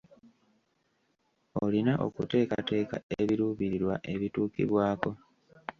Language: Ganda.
Olina okuteekateeka ebiruubirirwa ebituukibwako.